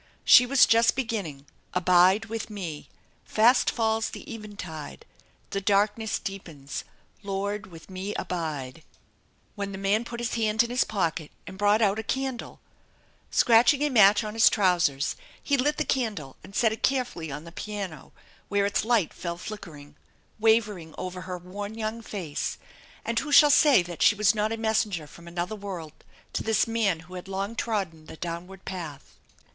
She was just beginning : Abide with me, Fast falls the eventide, The darkness deepens, Lord, with me abide! When the man put his hand in his pocket and brought out a candle. Scratching a match on his trousers, he lit the candle and set it carefully on the piano, where its light fell nickering, wavering over her worn young face; and who shall say that she was not a messenger from another world to this man who had long trodden the downward path